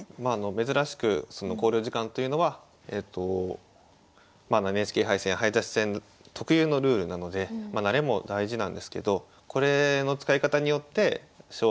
珍しくその考慮時間というのはＮＨＫ杯戦早指し戦特有のルールなのでまあ慣れも大事なんですけどこれの使い方によって勝敗が変わることもあります。